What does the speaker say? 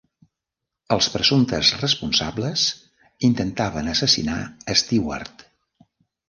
Els presumptes responsables intentaven assassinar Stewart.